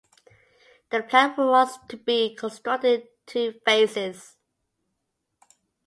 The plant was to be constructed in two phases.